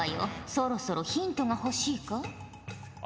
そろそろヒントが欲しいか？